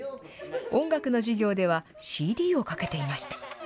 音楽の授業ではＣＤをかけていました。